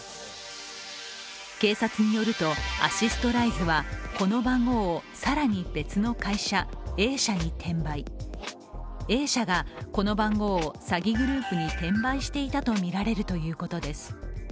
警察によると、アシストライズはこの番号を更に別の会社Ａ社に転売Ａ社がこの番号を詐欺グループに転売していたとみられるということです。